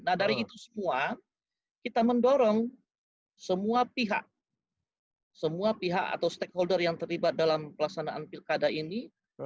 nah dari itu semua kita mendorong semua pihak semua pihak atau stakeholder yang terlibat dalam pelaksanaan pilkada ini